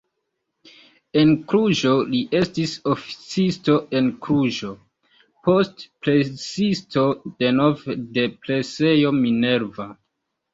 En Kluĵo li estis oficisto en Kluĵo, poste presisto denove de presejo Minerva.